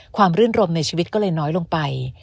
รื่นรมในชีวิตก็เลยน้อยลงไป